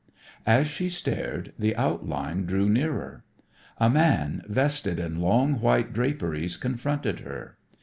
As she stared, the outline drew nearer. A man vested in long white draperies confronted her.